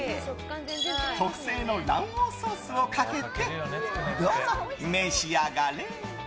特製の卵黄ソースをかけてどうぞ召し上がれ！